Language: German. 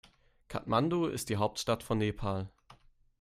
Kathmandu ist die Hauptstadt von Nepal.